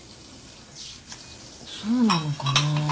そうなのかな。